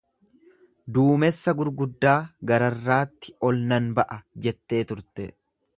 Duumessa gurguddaa gararraatti ol nan ba’a jettee turte.